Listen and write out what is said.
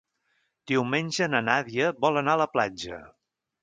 Diumenge na Nàdia vol anar a la platja.